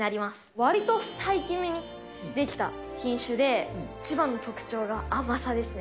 わりと最近目にできた品種で、一番の特徴が甘さですね。